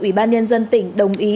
ủy ban nhân dân tỉnh đồng ý